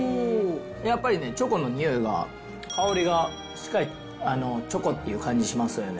やっぱりね、チョコの匂いが、香りが、しっかりチョコっていう感じしますよね